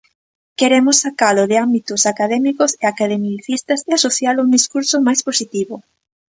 Queremos sacalo de ámbitos académicos e academicistas e asocialo a un discurso máis positivo.